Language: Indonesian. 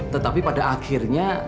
tetapi pada akhirnya